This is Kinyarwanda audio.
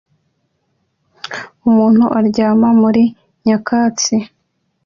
Umuntu aryama muri nyakatsi